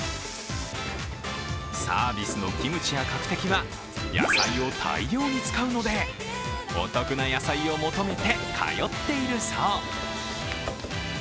サービスのキムチやカクテキは野菜を大量に使うので、お得な野菜を求めて通っているそう。